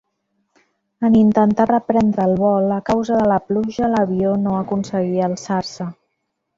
En intentar reprendre el vol, a causa de la pluja, l'avió no aconseguí alçar-se.